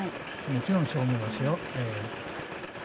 もちろん、そう思いますよ。